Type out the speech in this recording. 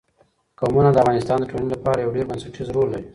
قومونه د افغانستان د ټولنې لپاره یو ډېر بنسټيز رول لري.